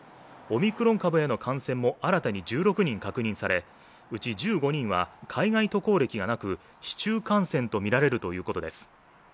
オミクロン株への感染も新たに１６人確認され、うち１５人は海外渡航歴がなく市中感染とみられるということです。